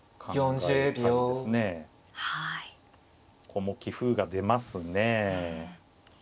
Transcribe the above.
ここも棋風が出ますね。